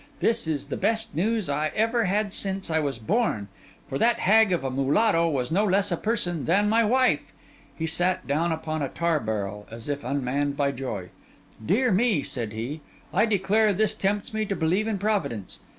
This is the best news I ever had since I was born; for that hag of a mulatto was no less a person than my wife.' He sat down upon a tar barrel, as if unmanned by joy. 'Dear me,' said he, 'I declare this tempts me to believe in Providence.